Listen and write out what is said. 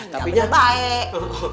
gak bener bener baik